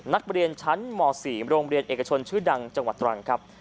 นักเรียนชั้นม๔โรงเรียนเอกชนชื่อดังจังหวัดตรังครับ